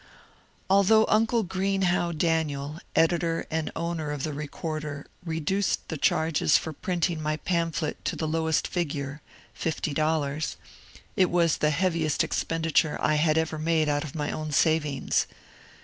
Although uncle Ghreenhow Daniel, editor and owner of the Becorder," reduced the charges for printing my pamphlet to the lowest figure ($50), it was the heaviest expenditure I had ever made out of my own savings.